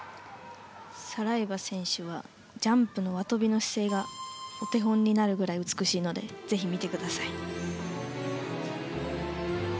サライバ選手はジャンプの輪とびの姿勢がお手本になるぐらい美しいのでぜひ見てください。